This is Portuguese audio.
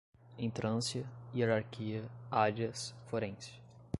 entrância, hierarquia, áreas, forense